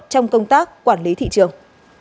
trong công tác quản lý thị trường